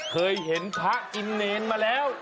เคยเห็นพระกินเนรมาแล้ว